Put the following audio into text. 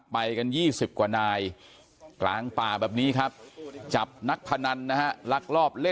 ไปกัน๒๐กว่านายกลางป่าแบบนี้ครับ